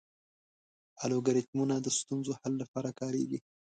الګوریتمونه د ستونزو حل لپاره کارېږي.